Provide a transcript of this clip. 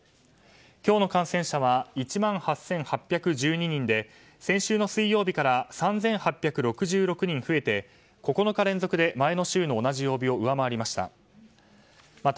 今日の感染者は１万８８１２人で先週の水曜日から３８６６人増えて９日連続で前の週の同じ曜日を上回りました。